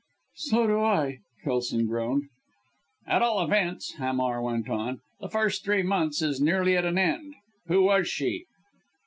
"So do I," Kelson groaned. "At all events," Hamar went on, "the first three months is nearly at an end. Who was she?"